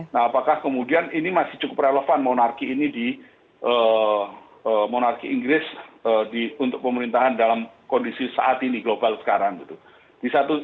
nah apakah kemudian ini masih cukup relevan monarki ini di monarki inggris untuk pemerintahan dalam kondisi saat ini global sekarang gitu